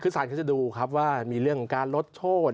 คือสารเขาจะดูครับว่ามีเรื่องการลดโทษ